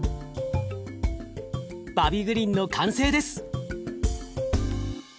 バビグリンの完成です！